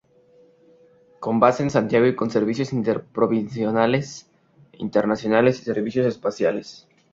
Con base en Santiago y con servicios interprovinciales, internacionales y servicios especiales.